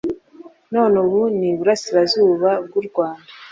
none ubu ni uburasirazuba bw’u Rwanda.